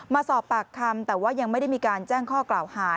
มาสอบปากคำแต่ว่ายังไม่ได้มีการแจ้งข้อกล่าวหา